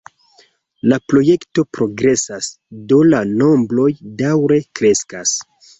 La projekto progresas, do la nombroj daŭre kreskas.